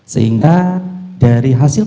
sehingga dari hasil